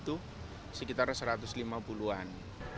itu sekitar satu ratus lima puluh an